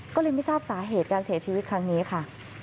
ก็เลยไม่ทราบสาเหตุการเสียชีวิตครั้งนี้ค่ะ